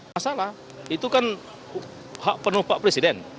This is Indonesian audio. masalah itu kan hak penuh pak presiden